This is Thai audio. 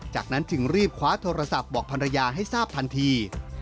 จากนั้นจึงรีบคว้าโทรศัพท์บอกภรรยาให้ทราบทันที